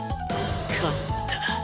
勝った